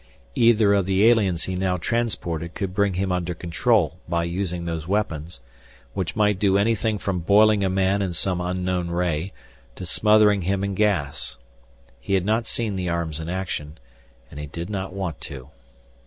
Either of the aliens he now transported could bring him under control by using those weapons, which might do anything from boiling a man in some unknown ray to smothering him in gas. He had not seen the arms in action, and he did not want to.